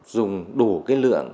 dùng đủ cái lượng